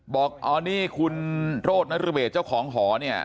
บอกอ๋อนี่คุณโรธนรเบศเจ้าของหอเนี่ย